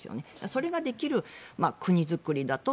それができる国づくりだと。